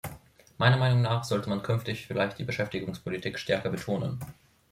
Meiner Meinung nach sollte man künftig vielleicht die Beschäftigungspolitik stärker betonen.